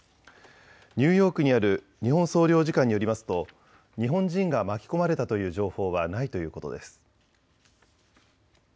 ニューヨークにある日本総領事館によりますと日本人が巻き込まれたという情報はないということです。